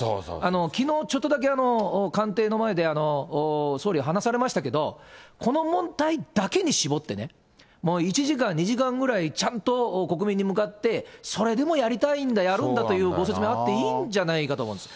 きのうちょっとだけ官邸の前で総理が話されましたけど、この問題だけに絞ってね、もう１時間、２時間ぐらい、ちゃんと国民に向かって、それでもやりたいんだ、やるんだというご説明、あっていいんじゃないかと思うんです。